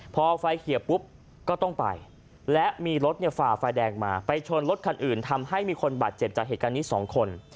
พอไฟเขียวปุ๊บก็ต้องไปและมีรถฝ่าไฟแดงมาไปชนรถคันอื่นทำให้มีคนบาดเจ็บจากเหตุการณ์นี้สองคน